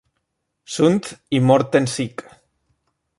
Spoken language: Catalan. Sundt i Morten Sig.